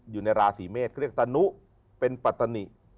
อยู่ในราศีเมษเขาเรียกตะนุเป็นปัตตนิ